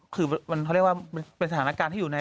คือมันเขาเรียกว่าเป็นสถานการณ์ที่อยู่ใน